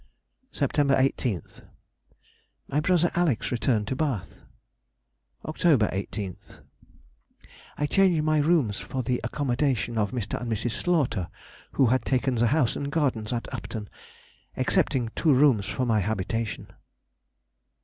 September 18th.—My brother Alex. returned to Bath. October 18th.—I changed my rooms for the accommodation of Mr. and Mrs. Slaughter, who had taken the house and gardens at Upton, excepting two rooms for my habitation.